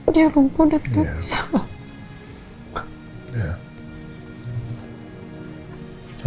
dia lumpuh dan dia besar